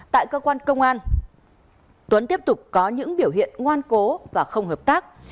tại cơ quan công an tuấn tiếp tục có những biểu hiện ngoan cố và không hợp tác